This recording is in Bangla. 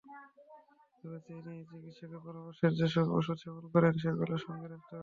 তবে তিনি চিকিৎসকের পরামর্শমতো যেসব ওষুধ সেবন করেন, সেগুলো সঙ্গে রাখতে হবে।